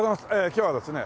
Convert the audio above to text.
今日はですね